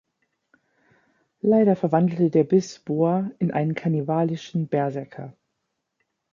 Leider verwandelte der Biss Boar in einen kannibalischen Berserker.